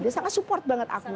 dia sangat support banget aku